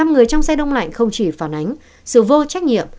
một mươi năm người trong xe đông lạnh không chỉ phản ánh sự vô trách nhiệm